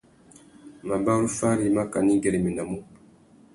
Mabarú fari mákànà i güeréménamú.